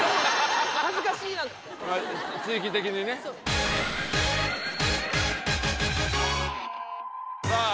恥ずかしいな地域的にねさあ